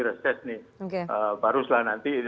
reses nih baru setelah nanti